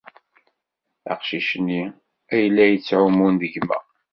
Aqcic-nni ay la yettɛumun d gma.